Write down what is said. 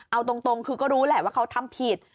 เอาตรงคือก็รู้แหละว่าเขาทำผิด